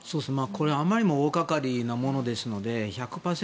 あまりにも大がかりのものですので１００％